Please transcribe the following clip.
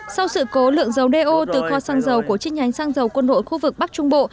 sau sự cố lượng dầu đeo từ kho xăng dầu của chiếc nhánh xăng dầu quân đội khu vực bắc trung bộ